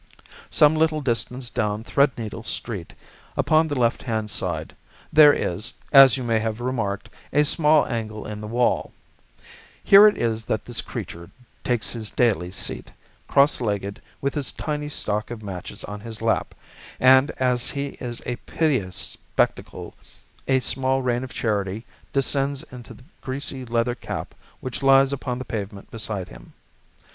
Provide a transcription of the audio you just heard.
Some little distance down Threadneedle Street, upon the left hand side, there is, as you may have remarked, a small angle in the wall. Here it is that this creature takes his daily seat, cross legged with his tiny stock of matches on his lap, and as he is a piteous spectacle a small rain of charity descends into the greasy leather cap which lies upon the pavement beside him.